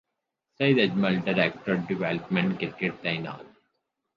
سعید Ajmal director development cricket تعینات